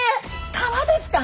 川ですか！？